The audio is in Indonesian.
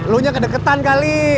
lu nya kedeketan kali